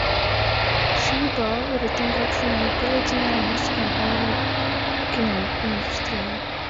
"Šī balva riteņbraukšanā ir pielīdzināma "Oskara" balvai kinoindustrijā."